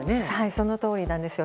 そのとおりなんです。